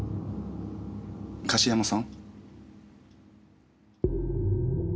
樫山さん？